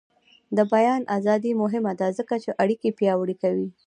د بیان ازادي مهمه ده ځکه چې اړیکې پیاوړې کوي.